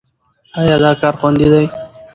ایا دا کار خوندي دی؟